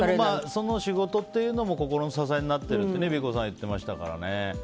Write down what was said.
その仕事っていうのも心の支えになってるって言ってましたからね。